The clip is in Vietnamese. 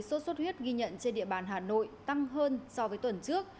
số suất huyết ghi nhận trên địa bàn hà nội tăng hơn so với tuần trước